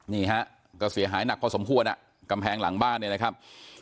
นี่ฮะก็เสียหายหนักพอสมควรอ่ะกำแพงหลังบ้านเนี่ยนะครับ